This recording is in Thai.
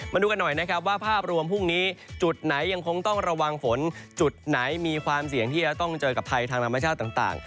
มาดูกันหน่อยนะครับว่าภาพรวมพรุ่งนี้จุดไหนยังคงต้องระวังฝนจุดไหนมีความเสี่ยงที่จะต้องเจอกับภัยทางธรรมชาติต่าง